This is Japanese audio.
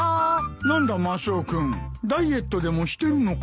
何だマスオ君ダイエットでもしてるのか？